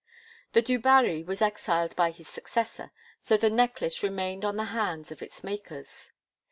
The du Barry was exiled by his successor, so the necklace remained on the hands of its makers.